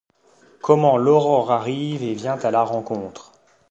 Comment l’aurore arrive, et vient à la rencontre